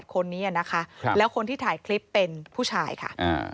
คนนี้นะคะแล้วคนที่ถ่ายคลิปเป็นผู้ชายค่ะ